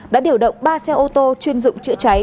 đã điều động ba xe ô tô chuyên dụng chữa cháy